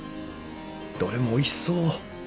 どれもおいしそう。